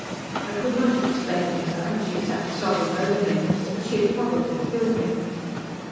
I could not explain to her, as she sat sobbing over him, that she had probably killed him.